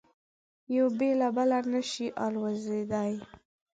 یو بې له بله نه شي الوزېدای.